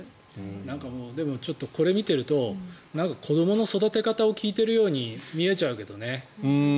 これを見ていると子どもの育て方を聞いているように見えちゃうけどね。